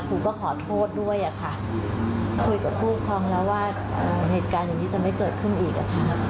ครูก็ขอโทษด้วยอะค่ะคุยกับผู้ปกครองแล้วว่าเหตุการณ์อย่างนี้จะไม่เกิดขึ้นอีกอะค่ะ